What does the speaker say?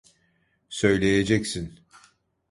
Söyleyeceksin.